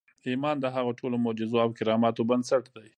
ایمان د هغو ټولو معجزو او کراماتو بنسټ دی